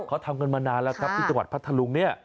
เขาทำกันมานานแล้วครับที่ตะวัดพัทธรุง